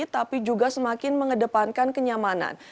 tapi juga semakin mengedepankan kenyamanan